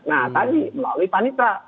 nah tadi melalui panitra